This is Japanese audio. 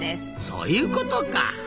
そういうことか。